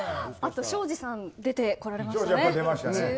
あと、庄司さんも出てこられましたね。